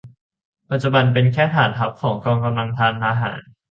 ปัจจุบันเป็นแค่ฐานทัพของกองกำลังทางทหาร